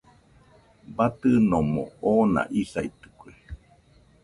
Batɨnomo oona isaitɨkue.